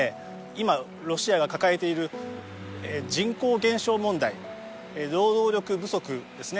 今ロシアが抱えている人口減少問題労働力不足ですね